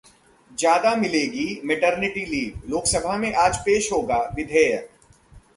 ज्यादा मिलेगी maternity leave, Lok Sabha में आज पेश होगा विधेयक